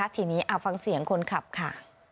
ทีนี้ฟังเสียงคนขับค่ะ